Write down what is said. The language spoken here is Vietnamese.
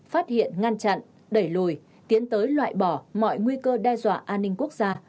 phát hiện ngăn chặn đẩy lùi tiến tới loại bỏ mọi nguy cơ đe dọa an ninh quốc gia